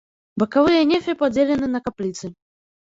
Бакавыя нефе падзелены на капліцы.